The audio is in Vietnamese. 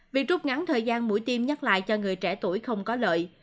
việc rút ngắn thời gian mũi tiêm nhắc lại cho người trẻ tuổi không có lợi